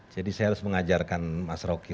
jadi saya harus mengajarkan mas roki